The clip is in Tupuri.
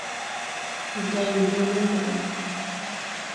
Ndi gay we dɔɔ ɓɛ maʼa.